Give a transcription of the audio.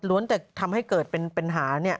ล้วนแต่ทำให้เกิดเป็นปัญหาเนี่ย